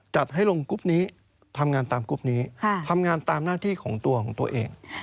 จัดให้ลงกรุ๊ปนี้ทำงานตามกรุ๊ปนี้ทำงานตามหน้าที่ของตัวของตัวเอง